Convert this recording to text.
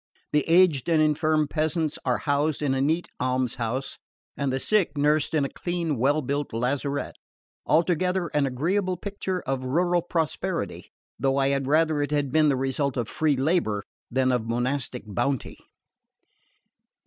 The aged and infirm peasants are housed in a neat almshouse, and the sick nursed in a clean well built lazaret. Altogether an agreeable picture of rural prosperity, though I had rather it had been the result of FREE LABOUR than of MONASTIC BOUNTY.